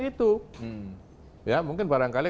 itu ya mungkin barangkali